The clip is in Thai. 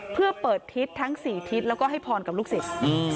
เพื่อเปิดทิศทั้ง๔ทิศแล้วก็ให้พรกับลูกศิษย์